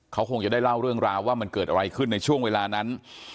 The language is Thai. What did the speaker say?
เขาคงจะได้เล่าเรื่องราวว่ามันเกิดอะไรขึ้นในช่วงเวลานั้น